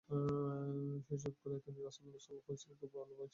শৈশবকাল থেকেই তিনি রাসূল সাল্লাল্লাহু আলাইহি ওয়াসাল্লাম-কে ভাল ভাবেই চিনতেন-জানতেন।